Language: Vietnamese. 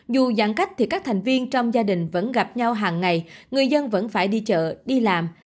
dù giãn cách thì các thành viên trong gia đình vẫn gặp nhau hàng ngày người dân vẫn phải đi chợ đi làm